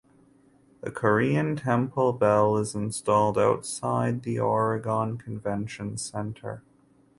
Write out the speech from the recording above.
The Korean Temple Bell is installed outside the Oregon Convention Center.